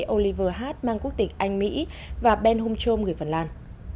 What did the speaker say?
oliver hart mang quốc tịch anh mỹ và ben holmstrom người phần lan